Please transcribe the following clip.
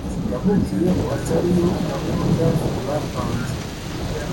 yamubwiyeko atari yo gahunda bapanze